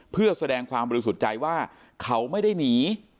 เพื่อแสดงความบริสุทธิ์ใจว่าเขาไม่ได้หนี